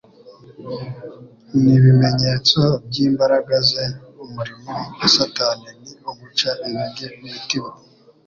n'ibimenyetso by'imbaraga ze. Umurimo wa Satani ni uguca intege imitima;